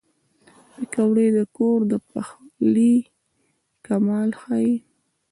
پکورې د کور د پخلي کمال ښيي